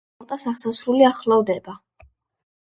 წითელი ხუნტას აღსასრული ახლოვდება.